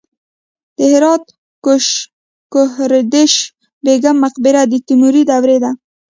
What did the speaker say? د هرات ګوهردش بیګم مقبره د تیموري دورې ده